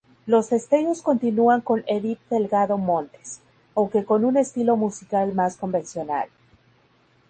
Los Destellos continúan con Edith Delgado Montes, aunque con un estilo musical más convencional.